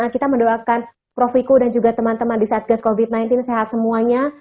kita mendoakan prof wiku dan juga teman teman di satgas covid sembilan belas sehat semuanya